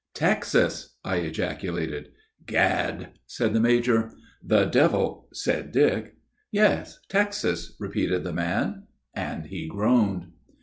"Texas!" I ejaculated. "Gad!" said the major. "The Devil!" said Dick. "Yes, Texas!" repeated the man, and he groaned.